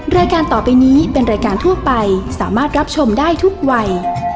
รายการต่อไปนี้เป็นรายการทั่วไปสามารถรับชมได้ทุกวัย